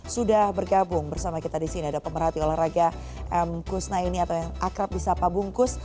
sudah bergabung bersama kita disini ada pemerhati olahraga kusna ini atau yang akrab bisa pak bungkus